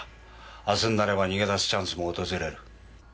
明日になれば逃げ出すチャンスも訪れる。